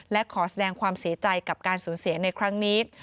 และขอแสดงความเสียใจกับการสูญเสียในครั้งนี้